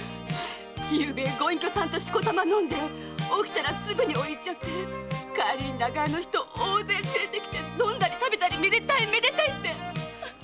昨夜御隠居様としこたま飲んで起きたらすぐお湯行って帰りに長屋の人大勢連れてきて飲んだり食べたり「めでたいめでたい」って！